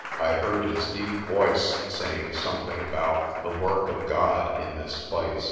I heard his deep voice saying something about the "work of God in this place."